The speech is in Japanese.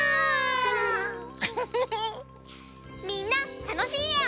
みんなたのしいえを。